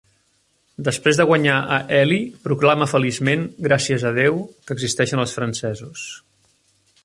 Després de guanyar a Ellie, proclama feliçment, Gràcies a Déu, que existeixen els francesos.